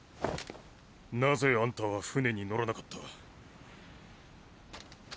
なぜあんたは船に乗らなかった？